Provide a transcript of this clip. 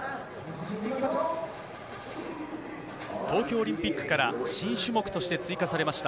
東京オリンピックから新種目として追加されました。